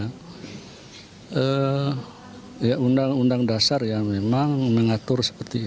karena undang undang dasar ya memang mengatur